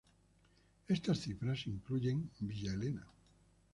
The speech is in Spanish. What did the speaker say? Estas cifran incluyen Villa Elena.